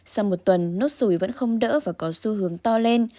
sau một tuần nốt sủi vẫn không đỡ và có xu hướng to lên